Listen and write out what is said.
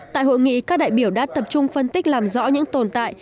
tại hội nghị các đại biểu đã tập trung phân tích làm rõ những tồn tại